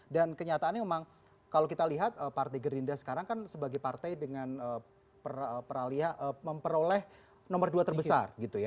dan kenyataannya memang kalau kita lihat partai gerinda sekarang kan sebagai partai dengan peralihan memperoleh nomor dua terbesar gitu ya